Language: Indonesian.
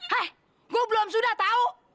hei gue belum sudah tau